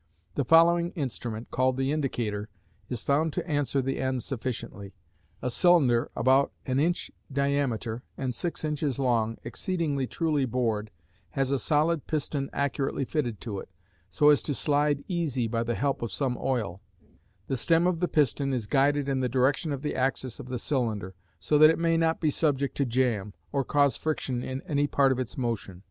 The following instrument, called the Indicator, is found to answer the end sufficiently. A cylinder about an inch diameter, and six inches long, exceedingly truly bored, has a solid piston accurately fitted to it, so as to slide easy by the help of some oil; the stem of the piston is guided in the direction of the axis of the cylinder, so that it may not be subject to jam, or cause friction in any part of its motion.